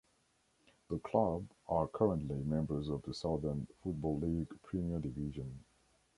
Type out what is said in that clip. The club are currently members of the Southern Football League Premier Division.